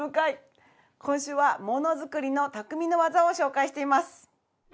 今週はものづくりの匠の技を紹介しています。